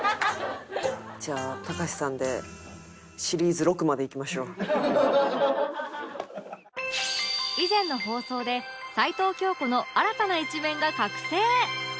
じゃあ隆さんで以前の放送で齊藤京子の新たな一面が覚醒！